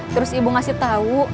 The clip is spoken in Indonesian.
terus ibu ngasih tau